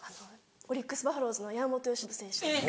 オリックス・バファローズの山本由伸選手です。